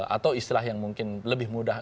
atau istilah yang mungkin lebih mudah